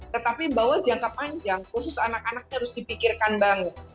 tetapi bahwa jangka panjang khusus anak anaknya harus dipikirkan banget